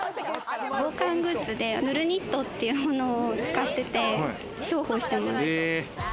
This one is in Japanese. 防寒グッズで塗るニットっていうのを使ってて、重宝してます。